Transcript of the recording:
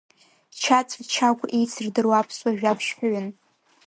Чаҵә Чагә еицырдыруа аԥсуа жәабжьҳәаҩын.